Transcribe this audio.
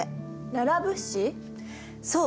そう。